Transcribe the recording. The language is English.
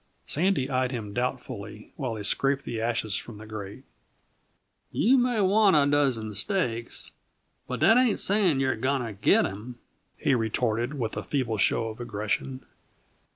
Sandy eyed him doubtfully while he scraped the ashes from the grate. "You may want a dozen steaks, but that ain't saying you're going to git 'em," he retorted, with a feeble show of aggression.